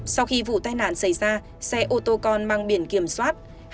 sau khi vụ tai nạn xảy ra xe ô tô con mang biển kiểm soát